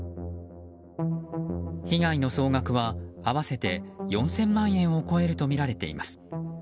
被害の総額は合わせて４０００万円を超えるとみられています。